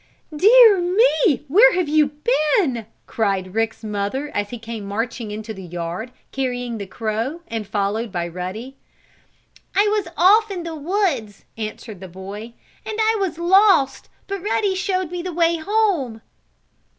"Dear me! Where have you been?" cried Rick's mother, as he came marching into the yard, carrying the crow and followed by Ruddy. "I was off in the woods," answered the boy. "And I was lost, but Ruddy showed me the way home."